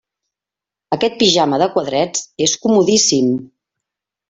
Aquest pijama de quadrets és comodíssim.